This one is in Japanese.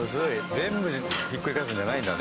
全部ひっくり返すんじゃないんだね。